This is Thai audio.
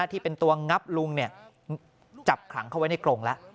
ที่เป็นตัวงับลุงจับขังเข้าไว้ในกรงแล้ว